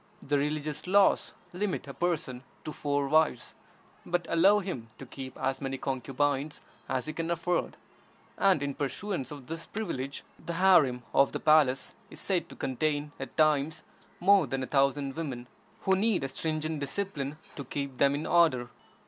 The religious laws limit a Persian to four wives, but allow him to keep as many concubines as he can afford; and, in pursuance of this privilege, the harem of the palace is said to contain at times more than a thousand women, who need a stringent discipline to keep them in order.